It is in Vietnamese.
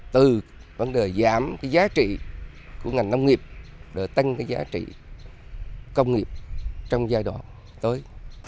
từ vấn đề giảm cái giá trị của ngành nông nghiệp để tăng cái giá trị công nghiệp trong giai đoạn tới